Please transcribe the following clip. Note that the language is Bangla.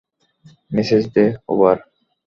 মেসেজ দে, ওভার!